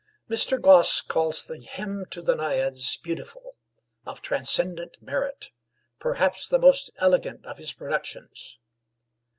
Mr. Gosse calls the 'Hymn to the Naiads' "beautiful," "of transcendent merit," "perhaps the most elegant of his productions."